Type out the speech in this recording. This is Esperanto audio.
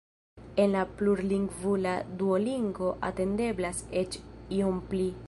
En la plurlingvula Duolingo atendeblas eĉ iom pli.